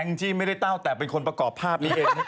อิงจิมไม่ได้เต้าแต่เป็นคนประกอบภาพนี้